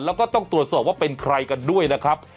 แล้วก็ต้องตรวจสอบว่าเป็นใครกันด้วยนะครับ